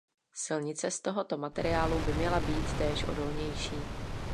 Silnice z tohoto materiálu by měla být též odolnější.